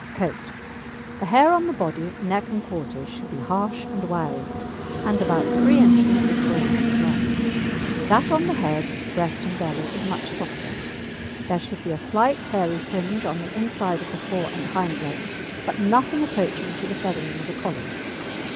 COAT The hair on the body, neck, and quarters should be harsh and wiry, and about 3 inches or 4 inches long; that on the head, breast, and belly is much softer. There should be a slight hairy fringe on the inside of the fore and hind legs, but nothing approaching to the feathering of a Collie.